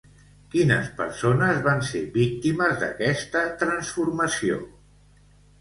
Quines persones van ser víctimes d'aquesta transformació?